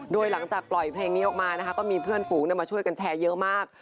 โดยหลังจากปล่อยเพลงนี้ออกมานะคะก็มีเพื่อนฝูงมาช่วยกันแชร์เยอะมาก